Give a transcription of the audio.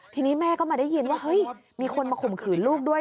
ทีนี้แม่ก็มาได้ยินว่าเฮ้ยมีคนมาข่มขืนลูกด้วย